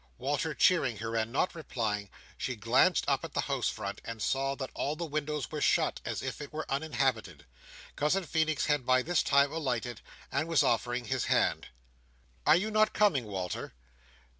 Walter cheering her, and not replying, she glanced up at the house front, and saw that all the windows were shut, as if it were uninhabited. Cousin Feenix had by this time alighted, and was offering his hand. "Are you not coming, Walter?"